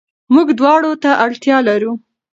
موږ دواړو ته اړتيا لرو.